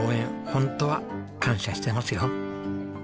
ホントは感謝してますよ。